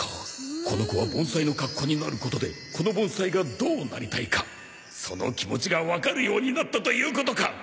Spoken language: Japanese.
この子は盆栽の格好になることでこの盆栽がどうなりたいかその気持ちがわかるようになったということか！